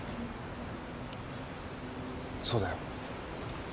そうだよ。